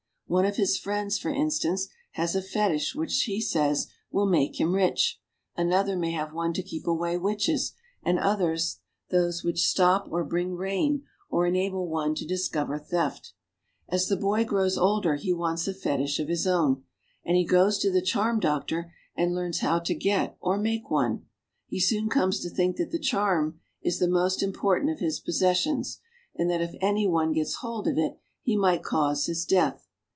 One of his friends, for instance, has a fetish which he says will make him rich ; another may have one to keep away witches; and others those which stop or bring rain or enable one to dis cover theft. As the boy grows older he wants a fetish of his own ; and he goes to the charm Witch doctor. doctor and learns how to get or make one. He soon comes to think that Che charm is the most important of his possessions, and that if any one gets hold of it he might cause his death.